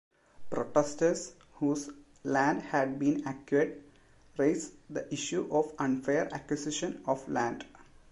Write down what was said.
Protesters whose land had been acquired raised the issue of unfair acquisition of land.